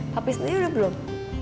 papi sendiri udah belum